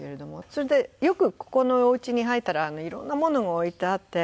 それでよくここのお家に入ったらいろんなものが置いてあって。